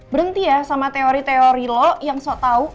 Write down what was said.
berhenti ya sama teori teori lo yang so tau